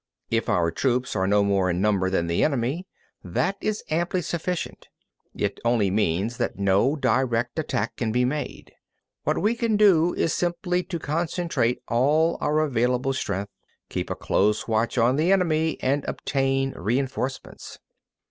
If our troops are no more in number than the enemy, that is amply sufficient; it only means that no direct attack can be made. What we can do is simply to concentrate all our available strength, keep a close watch on the enemy, and obtain reinforcements.